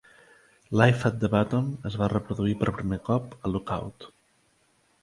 Live at the Bottom... es va reproduir per primer cop a Lookout!